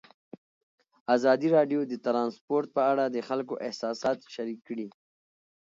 ازادي راډیو د ترانسپورټ په اړه د خلکو احساسات شریک کړي.